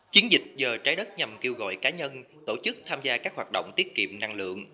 chiến dịch giờ trái đất nhằm kêu gọi cá nhân tổ chức tham gia các hoạt động tiết kiệm năng lượng